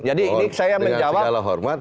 jadi ini saya menjawab